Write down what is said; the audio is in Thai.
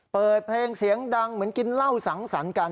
เปิดเพลงเสียงดังเหมือนกินเหล้าสังสรรค์กัน